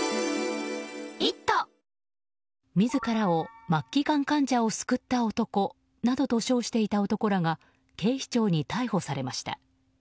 自らを末期がん患者を救った男などと称していた男らが警視庁に逮捕されました。